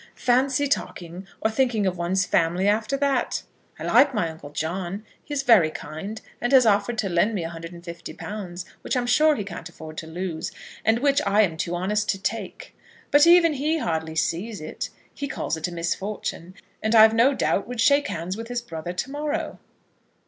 Fancy talking or thinking of one's family after that. I like my uncle John. He is very kind, and has offered to lend me £150, which I'm sure he can't afford to lose, and which I am too honest to take. But even he hardly sees it. He calls it a misfortune, and I've no doubt would shake hands with his brother to morrow."